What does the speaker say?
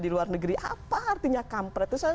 di luar negeri apa artinya kampret itu saya